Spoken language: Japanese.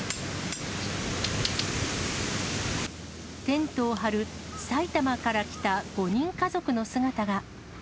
テントを張る、埼玉から来た５人家族の姿が。